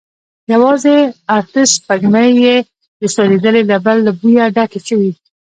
يواځې ارته سپږمې يې د سوځيدلې ربړ له بويه ډکې شوې.